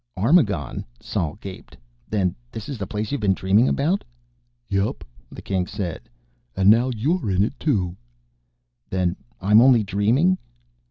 "Armagon?" Sol gaped. "Then this is the place you've been dreaming about?" "Yep," the King said. "And now you're in it, too." "Then I'm only dreaming!"